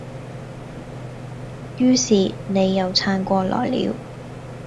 於是你又撐過來了